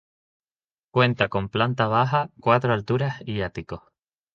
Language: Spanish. Cuenta con planta baja, cuatro alturas y ático.